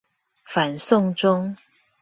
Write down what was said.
反送中